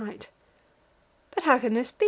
But how can this be?